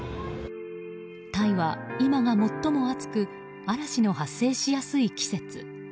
タイは今が最も暑く嵐の発生しやすい季節。